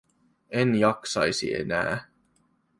En jaksaisi enää.